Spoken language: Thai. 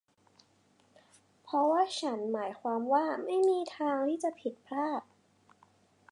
เพราะว่าฉันหมายความว่าไม่มีทางที่จะผิดพลาด